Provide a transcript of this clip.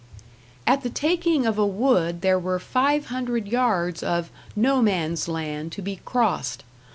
At the taking of a wood there were five hundred yards of "No Man's Land" to be crossed.